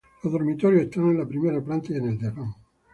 Los dormitorios están en la primera planta y en el desván.